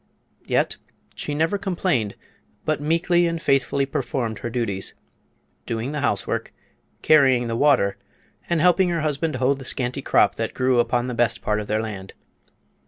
Yet she never complained, but meekly and faithfully performed her duties, doing the housework, carrying the water and helping her husband hoe the scanty crop that grew upon the best part of their land.